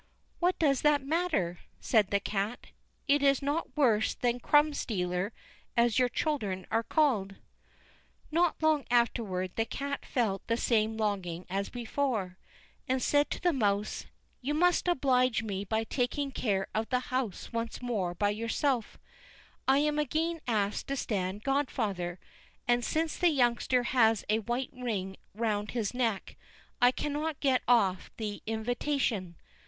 "What does that matter?" said the cat; "it is not worse than Crumb stealer, as your children are called." Not long afterward the cat felt the same longing as before, and said to the mouse: "You must oblige me by taking care of the house once more by yourself; I am again asked to stand godfather, and, since the youngster has a white ring round his neck, I cannot get off the invitation."